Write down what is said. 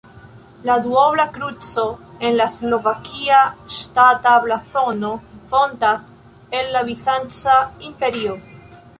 La duobla kruco en la slovakia ŝtata blazono fontas el la Bizanca Imperio.